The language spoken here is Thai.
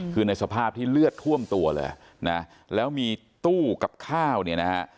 คือในสภาพที่เลือดท่วมตัวเลยนะแล้วมีตู้กับข้าวเนี่ยนะฮะ